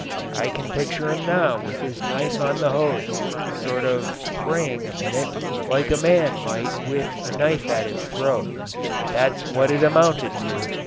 I can picture him now with his knife on the hose, sort of praying a minute, like a man might with a knife at his throat. That's what it amounted to.